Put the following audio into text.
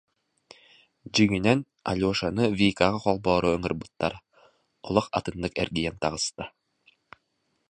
Дьиҥинэн, Алешаны Викаҕа холбоору ыҥырбыттара, олох атыннык эргийэн таҕыста